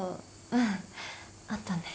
うん。あったね。